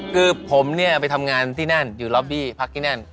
คือผมเนี่ยไปทำงานที่นั่นอยู่ล็อบบี้พักที่นั่น